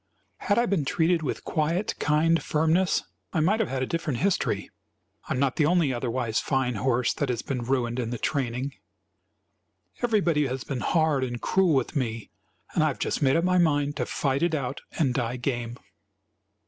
"Had I been treated with quiet, kind firmness, I might have had a different history. I am not the only otherwise fine horse that has been ruined in the training. Everybody has been hard and cruel with me, and I have just made up my mind to fight it out and die game.